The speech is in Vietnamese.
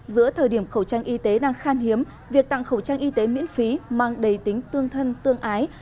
giữa thời điểm khẩu trang y tế đang khan hiếm việc tặng khẩu trang y tế miễn phí mang đầy tính tương thân tương ái